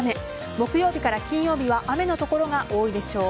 木曜日から金曜日は雨の所が多いでしょう。